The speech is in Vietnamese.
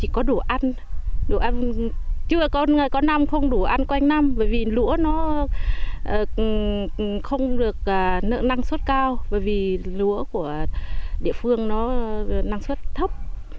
chưa có người có năm không đủ ăn quanh năm bởi vì lũa nó không được năng suất cao bởi vì lũa của địa phương nó năng suất thấp